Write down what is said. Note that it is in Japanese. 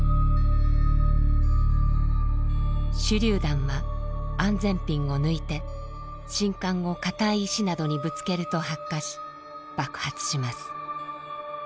手りゅう弾は安全ピンを抜いて信管を硬い石などにぶつけると発火し爆発します。